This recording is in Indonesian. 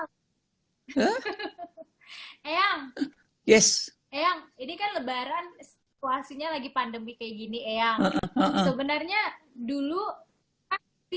the best yang ini kan lebaran situasinya lagi pandemi kayak gini yang sebenarnya dulu di